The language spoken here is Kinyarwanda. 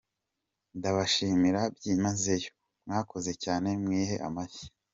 Ndabashimira byimazeyo, mwakoze cyane mwihe amashyi.